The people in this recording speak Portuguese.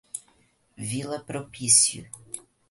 Vila Propício